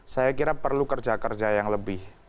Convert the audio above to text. saya kira perlu kerja kerja yang lebih